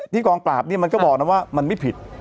ที่กองปราบมันก็บอกเนี่ยมันว่ามันไม่ผิด